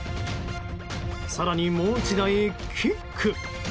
更に、もう１台キック！